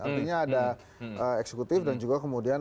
artinya ada eksekutif dan juga kemudian